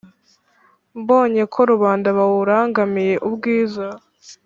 Mbonye ko rubanda bawurangamiye ubwiza,